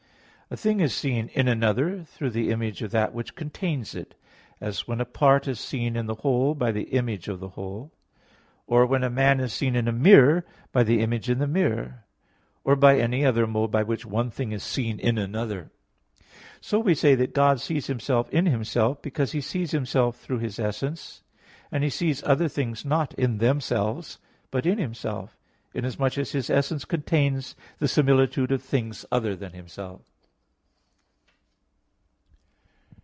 A thing is seen in another through the image of that which contains it; as when a part is seen in the whole by the image of the whole; or when a man is seen in a mirror by the image in the mirror, or by any other mode by which one thing is seen in another. So we say that God sees Himself in Himself, because He sees Himself through His essence; and He sees other things not in themselves, but in Himself; inasmuch as His essence contains the similitude of things other than Himself.